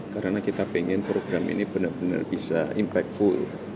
karena kita ingin program ini benar benar bisa impactful